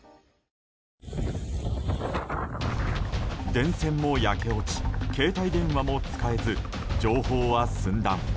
電線も焼け落ち携帯電話も使えず情報は寸断。